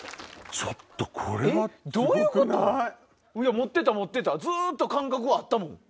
どういうこと⁉持ってた持ってたずっと感覚はあったもん。